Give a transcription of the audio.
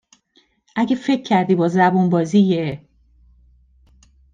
اگه فکر کردی با زبون بازی یه